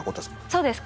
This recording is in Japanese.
そうです。